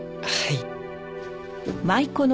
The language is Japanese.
はい。